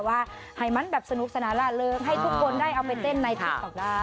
หายมันแบบสนุกสนาระเริงให้ทุกคนได้เอาเป็นเต้นในที่ต่อได้